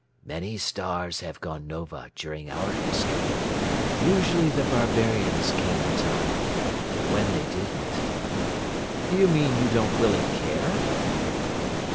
"Many stars have gone nova during our history. Usually the barbarians came in time. When they didn't " "You mean you don't really care?"